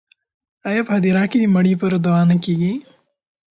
آیا په هدیره کې د مړو لپاره دعا نه کیږي؟